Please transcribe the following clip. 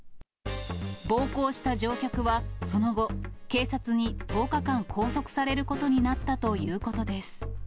暴行した乗客はその後、警察に１０日間拘束されることになったということです。